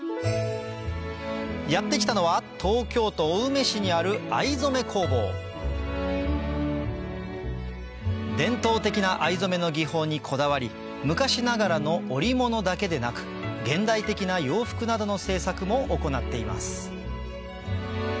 やって来たのは伝統的な藍染めの技法にこだわり昔ながらの織物だけでなく現代的な洋服などの制作も行っています